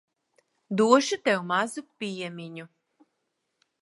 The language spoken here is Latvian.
Došu tev mazu piemiņu.